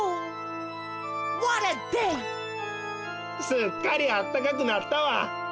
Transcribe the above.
すっかりあったかくなったわ！